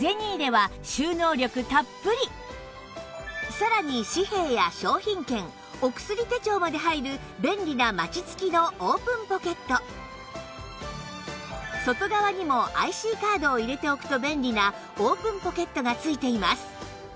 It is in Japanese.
さらに紙幣や商品券お薬手帳まで入る便利な外側にも ＩＣ カードを入れておくと便利なオープンポケットが付いています